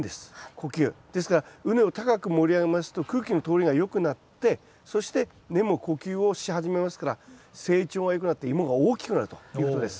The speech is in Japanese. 呼吸。ですから畝を高く盛り上げますと空気の通りがよくなってそして根も呼吸をし始めますから成長がよくなってイモが大きくなるということです。